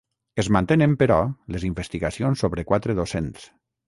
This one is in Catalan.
Es mantenen, però, les investigacions sobre quatre docents.